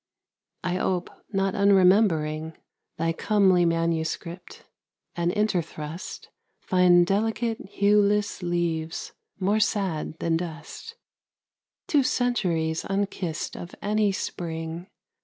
I ope, not unremembering, Thy comely manuscript, and, interthrust, Find delicate hueless leaves more sad than dust, Two centuries unkissed of any spring.